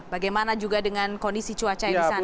bagaimana juga dengan kondisi cuaca yang disana